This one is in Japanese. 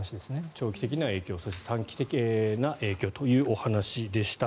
長期的な影響そして短期的な影響というお話でした。